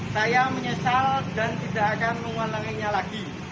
saya menyesal dan tidak akan mengulanginya lagi